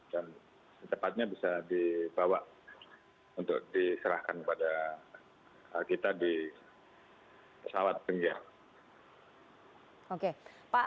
dan cepatnya bisa dibawa untuk diserahkan kepada kita di pesawat bengkia